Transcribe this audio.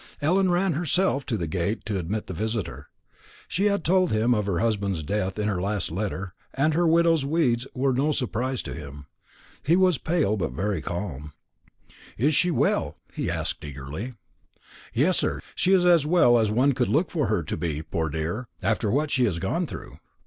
Ellen ran herself to the gate to admit the visitor. She had told him of her husband's death in her last letter, and her widow's weeds were no surprise to him. He was pale, but very calm. "She is well?" he asked eagerly. "Yes, sir, she is as well as one could look for her to be, poor dear, after what she has gone through.